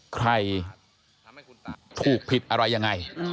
ใครถูกผิดอะไรยังไง